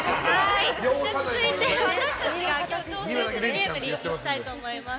続いて、私たちが今日挑戦するゲームに行きたいと思います。